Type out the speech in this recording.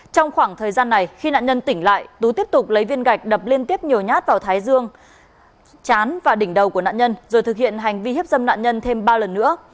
trong khoảng thời gian này khi nạn nhân tỉnh lại tú tiếp tục lấy viên gạch đập liên tiếp nhiều nhát vào thái dương chán và đỉnh đầu của nạn nhân rồi thực hiện hành vi hiếp dâm nạn nhân thêm ba lần nữa